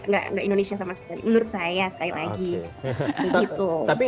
nggak indonesia sama sekali menurut saya sekali lagi